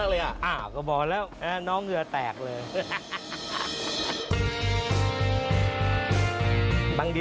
ไสมัยนี่มันจะช้าไม่ได้เลยเพราะช้าเสียทั้งที